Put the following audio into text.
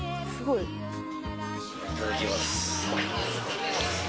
いただきます。